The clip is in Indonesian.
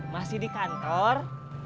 masih di kantor